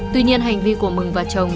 tuy nhiên hành vi của mừng và chồng